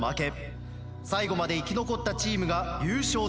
最後まで生き残ったチームが優勝となります。